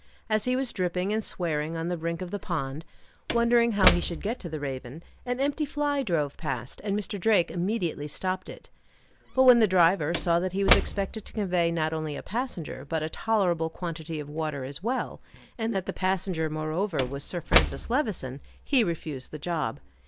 As he was dripping and swearing on the brink of the pond, wondering how he should get to the Raven, an empty fly drove past, and Mr. Drake immediately stopped it; but when the driver saw that he was expected to convey not only a passenger, but a tolerable quantity of water as well, and that the passenger, moreover, was Sir Francis Levison, he refused the job.